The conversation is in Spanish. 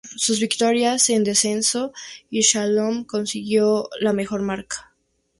En sus victorias en descenso y slalom, consiguió la mejor marca.